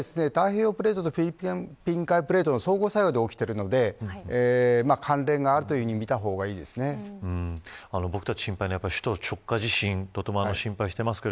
太平洋プレートとフィリピン海プレートとの相互作用で起きているので関連があるというふうに僕たち心配なのが首都直下地震を心配していますが